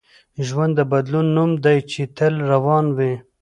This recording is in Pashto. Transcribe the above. ژوند د بدلون نوم دی چي تل روان وي.